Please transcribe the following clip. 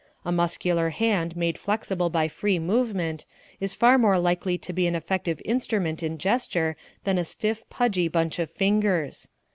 A muscular hand made flexible by free movement, is far more likely to be an effective instrument in gesture than a stiff, pudgy bunch of fingers.